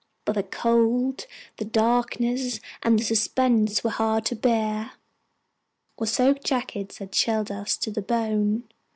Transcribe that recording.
But the cold, the darkness, and the suspense were hard to bear. Our soaked jackets had chilled us to the bone.